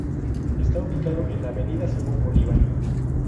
Está ubicado en la avenida Simón Bolívar.